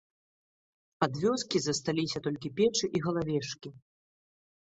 Ад вёскі засталіся толькі печы і галавешкі.